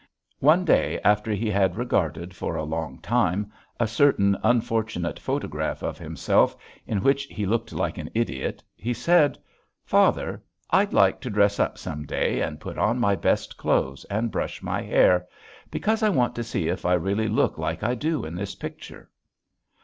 One day after he had regarded for a long time a certain unfortunate photograph of himself in which he looked like an idiot, he said, "Father, I'd like to dress up some day and put on my best clothes and brush my hair, because I want to see if I really look like I do in this picture."